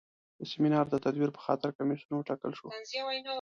د سیمینار د تدویر په خاطر کمیسیون وټاکل شو.